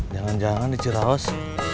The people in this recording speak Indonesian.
jangan jangan di cirehaus